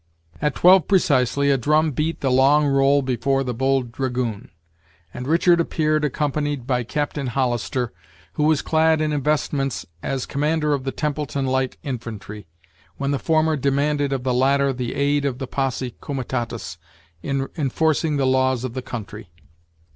At twelve precisely a drum beat the "long roll" before the "Bold Dragoon," and Richard appeared, accompanied by Captain Hollister, who was clad in Investments as commander of the "Templeton Light Infantry," when the former demanded of the latter the aid of the posse comitatus in enforcing the laws of the country.